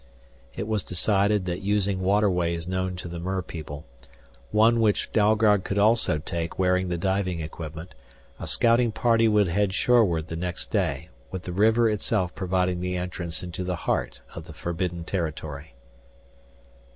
It was decided that using waterways known to the merpeople, one which Dalgard could also take wearing the diving equipment, a scouting party would head shoreward the next day, with the river itself providing the entrance into the heart of the forbidden territory.